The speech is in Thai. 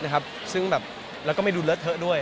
แล้วก็ไม่ดูเลอะเทอะด้วย